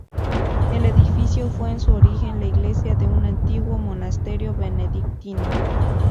El edificio fue en su origen la iglesia de un antiguo monasterio benedictino.